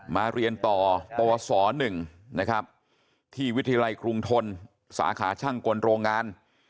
มาเรียนต่อปวส๑นะครับที่วิทยาลัยกรุงทนสาขาช่างกลโรงงาน